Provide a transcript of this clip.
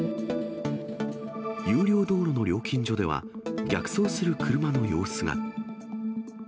有料道路の料金所では、逆走する車の様子が。